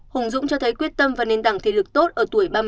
hùng dũng cho thấy quyết tâm và nền đẳng thể lực tốt ở tuổi ba mươi